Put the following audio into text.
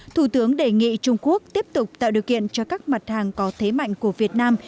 thủ tướng đề nghị trung quốc tiếp tục tạo điều kiện cho các mặt hàng có thế mạnh của việt nam